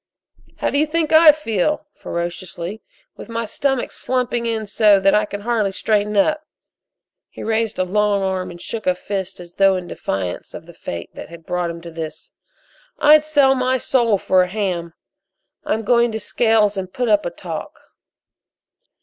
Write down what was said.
"How do you think I feel," ferociously, "with my stomach slumping in so I can hardly straighten up?" He raised a long arm and shook a fist as though in defiance of the Fate that had brought him to this. "I'd sell my soul for a ham! I'm going to Scales and put up a talk."